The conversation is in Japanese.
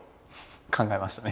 考えましたね